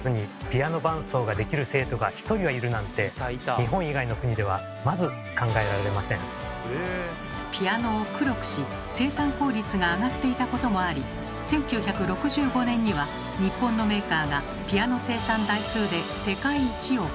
学校内のピアノを黒くし生産効率が上がっていたこともあり１９６５年には日本のメーカーがピアノ生産台数で世界一を記録。